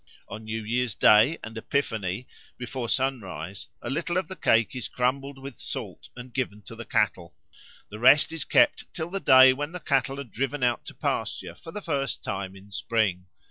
On New Year's Day and Epiphany, before sunrise, a little of the cake is crumbled with salt and given to the cattle. The rest is kept till the day when the cattle are driven out to pasture for the first time in spring.